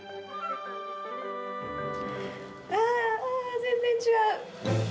全然違う！